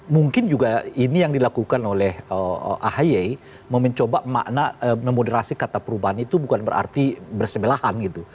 mungkin juga ini yang dilakukan oleh ahy mencoba makna memoderasi kata perubahan itu bukan berarti bersebelahan gitu